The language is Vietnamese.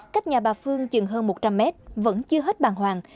cách nhà bà phương chừng hơn một trăm linh mét vẫn chưa hết bàng hoàng